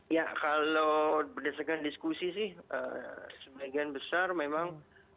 ya kalau berdasarkan diskusi sih sebagian besar memang